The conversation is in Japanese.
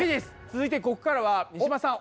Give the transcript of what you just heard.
続いてここからは三島さん